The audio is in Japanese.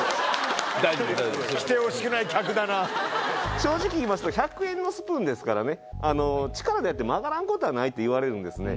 正直言いますと１００円のスプーンですからね「力でやって曲がらんことはない」って言われるんですね。